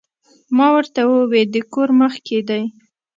ما ورته ووې د کور مخ کښې دې